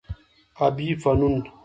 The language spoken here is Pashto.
ابي فنون